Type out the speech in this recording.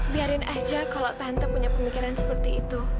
biarin aja kalau tante punya pemikiran seperti itu